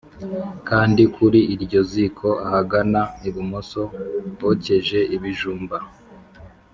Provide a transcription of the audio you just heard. kandi kuri iryo ziko ahagana ibumoso hokeje ibijumba